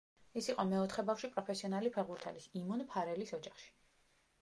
ის იყო მეოთხე ბავშვი პროფესიონალი ფეხბურთელის, იმონ ფარელის, ოჯახში.